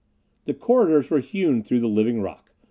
The corridors were hewn through the living rock.